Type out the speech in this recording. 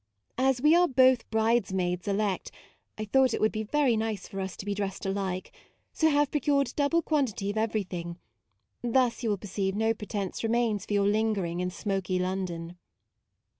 As we are both bridesmaids elect, I thought it would be very nice for us to be dressed alike, so have procured double quantity of everything; thus you will perceive no pretence remains for your lingering in smoky London.